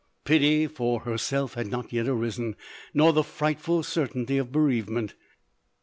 Pity for herself had not yet arisen, nor the frightful certainty of bereavement.